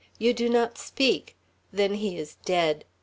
You do not speak! Then he is dead!"